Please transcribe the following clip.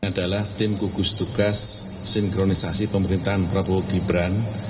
adalah tim gugus tugas sinkronisasi pemerintahan prabowo gibran